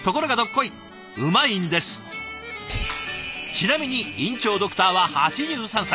「ちなみに院長ドクターは８３歳。